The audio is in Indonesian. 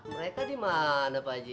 mereka di mana pak haji